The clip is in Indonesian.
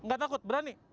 enggak takut berani